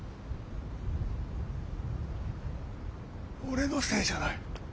俺のせいじゃない。